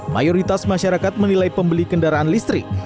mayoritas masyarakat menilai pembeli kendaraan listrik